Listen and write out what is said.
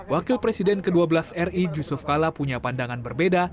wakil presiden ke dua belas ri yusuf kala punya pandangan berbeda